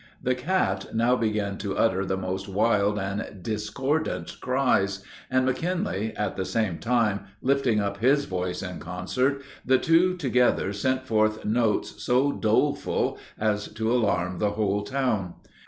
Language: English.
The cat now began to utter the most wild and discordant cries, and McKinley, at the same time, lifting up his voice in concert, the two together sent forth notes so doleful as to alarm the whole town.